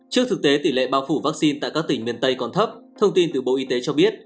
trước thực tế tỷ lệ bao phủ vaccine tại các tỉnh miền tây còn thấp thông tin từ bộ y tế cho biết